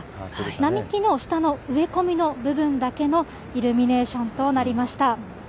並木の下の植え込みの部分だけのイルミネーションとなりました。